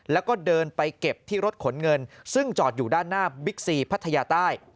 แล้วก็เดินไปเก็บที่รถขนเงินซึ่งจอดอยู่ด้านหน้าบิ๊กซีพัทยาใต้